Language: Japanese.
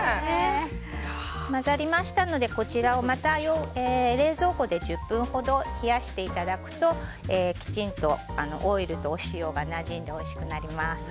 混ざりましたのでこちらを冷蔵庫で１０分ほど冷やしていただくときちんとオイルとお塩がなじんでおいしくなります。